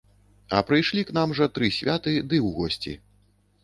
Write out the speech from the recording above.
А прыйшлі к нам жа тры святы ды ў госці.